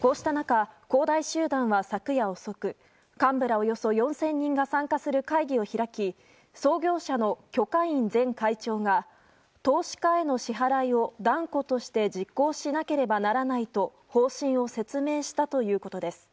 こうした中、恒大集団は昨夜遅く幹部らおよそ４０００人が参加する会議を開き創業者のキョ・カイン前会長が投資家への支払いを断固として実行しなければならないと方針を説明したということです。